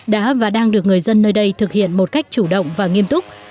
đã và đang được người dân nơi đây thực hiện một cách chủ động và nghiêm túc